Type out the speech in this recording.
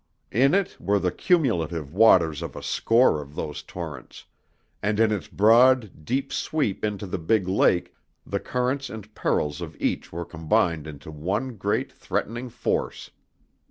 In it were the cumulative waters of a score of those torrents, and in its broad, deep sweep into the big lake the currents and perils of each were combined into one great threatening force.